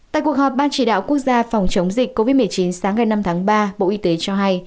tại cuộc họp ban chỉ đạo quốc gia phòng chống dịch covid một mươi chín sáng ngày năm tháng ba bộ y tế cho hay